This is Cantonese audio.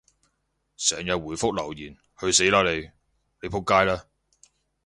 成日回覆留言，去死啦你！你仆街啦！